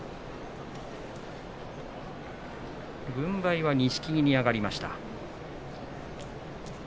軍配は錦木に上がりました。